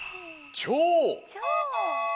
「ちょう」。